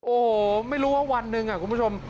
โอ้โหไม่รู้ว่าวันหนึ่งคุณผู้ชม